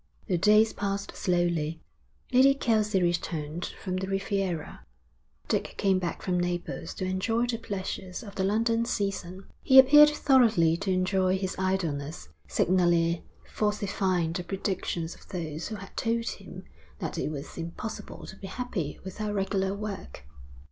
The days passed slowly. Lady Kelsey returned from the Riviera. Dick came back from Naples to enjoy the pleasures of the London season. He appeared thoroughly to enjoy his idleness, signally falsifying the predictions of those who had told him that it was impossible to be happy without regular work.